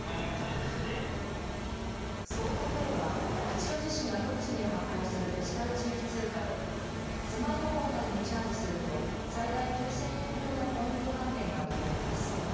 桑都ペイは八王子市が独自に発行するデジタル地域通貨でスマートフォンなどにチャージすると最大９０００円分のポイント還元が受けられます。